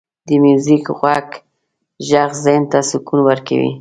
• د میوزیک خوږ ږغ ذهن ته سکون ورکوي.